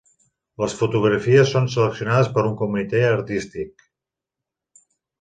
Les fotografies són seleccionades per un comitè artístic.